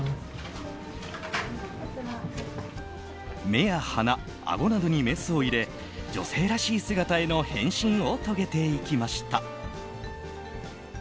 目や鼻、あごなどにメスを入れ女性らしい姿への変身を遂げていきました。